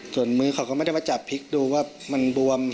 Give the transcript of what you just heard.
ส่วนมือเขาก็ไม่ได้มาจับพริกดูว่ามันบวม